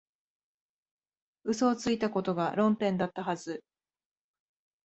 嘘をついたことが論点だったはず